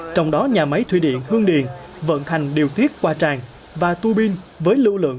trong đó nhà máy thủy điện hương điền vận hành điều tiết qua tràn và tua bin với lưu lượng